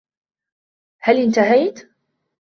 هل إنتهيت ؟